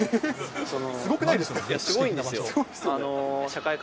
すごくないですか？